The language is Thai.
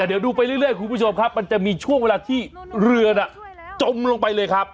เดี๋ยวดูไปเรื่อยคุณผู้ชมครับมันจะมีช่วงเวลาที่เรือน่ะจมลงไปเลยครับ